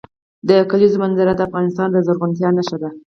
د کلیزو منظره د افغانستان د زرغونتیا نښه ده.